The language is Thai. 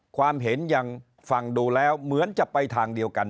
ความเห็นยังฟังดูแล้วเหมือนจะไปทางเดียวกัน